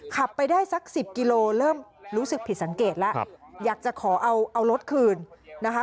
ขับไปได้สักสิบกิโลเริ่มรู้สึกผิดสังเกตแล้วอยากจะขอเอารถคืนนะคะ